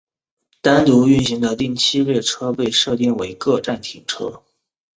单独运行的定期列车被设定为各站停车。